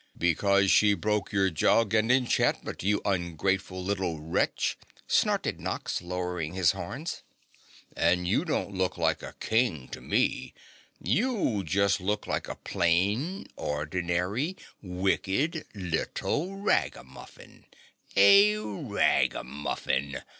"Because she broke your jug and enchantment, you ungrateful little wretch!" snorted Nox, lowering his horns. "And you don't look like a king to me, you just look like a plain ordinary wicked little ragamuffin, a RUGAMUFFIN!"